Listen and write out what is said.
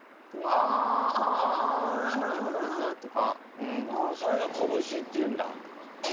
ああそれがこぶしって言うんだ。